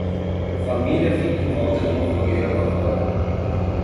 Família fica em volta de uma fogueira lá fora.